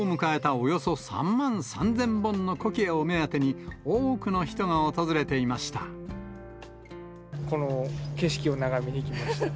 およそ３万３０００本のコキアを目当てに、多くの人この景色を眺めに来ました。